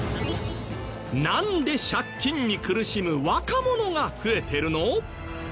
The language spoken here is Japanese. なんで借金に苦しむ若者が増えてるの？